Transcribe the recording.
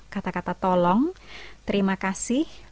kata kata tolong terima kasih